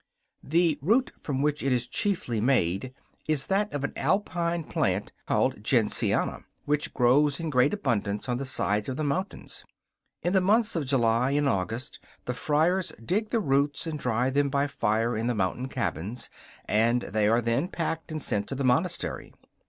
The root from which it is chiefly made is that of an Alpine plant called gentiana, which grows in great abundance on the sides of the mountains. In the months of July and August the friars dig the roots and dry them by fire in the mountain cabins, and they are then packed and sent to the monastery.